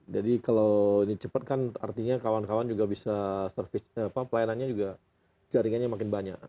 jadi kalau ini cepat kan artinya kawan kawan juga bisa service pelayanannya juga jaringannya makin banyak